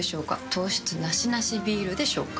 糖質ナシナシビールでしょうか？